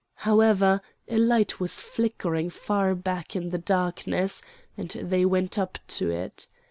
However a light was flickering far back in the darkness, and they went up to it.